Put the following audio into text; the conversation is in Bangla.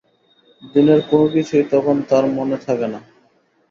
দিনের কোনো কিছুই তখন তাঁর মনে থাকে না।